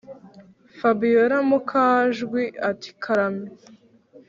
fabiora mukajwi ati”karame